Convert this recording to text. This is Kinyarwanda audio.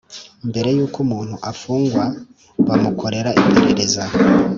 mbere y uko umuntu ufungwa bamukorera iperereza